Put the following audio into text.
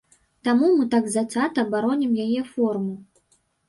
Таму мы так зацята баронім яе форму.